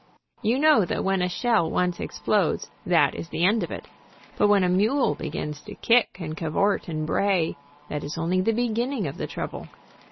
You know that when a shell once explodes, that is the end of it, but when a mule begins to kick and cavort, and bray, that is only the beginning of the NEW WAR EXPLOSIVES 83 trouble.